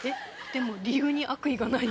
でも理由に悪意がない。